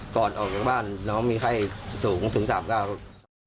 ก่อนออกจากบ้านน้องมีไข้สูงถึง๓๙ลูก